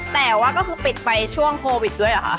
แต่ว่าก็คือปิดไปช่วงโควิดด้วยเหรอคะ